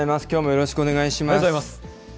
きょうもよろしくお願いします。